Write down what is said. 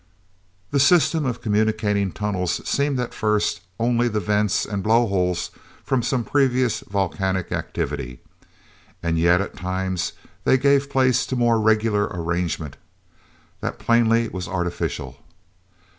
The system of communicating tunnels seemed at first only the vents and blow holes from some previous volcanic activity. And yet, at times they gave place to more regular arrangement that plainly was artificial.